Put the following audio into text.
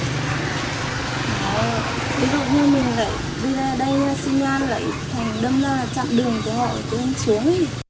ví dụ như mình lấy đi ra đây xinh nhan lấy thành đâm ra là chạm đường của họ xuống